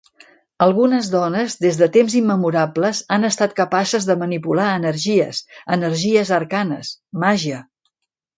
Algunes dones, des de temps immemorables, han estat capaces de manipular energies, energies arcanes, màgia.